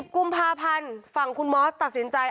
กุมภาพันธ์ฝั่งคุณมอสตัดสินใจ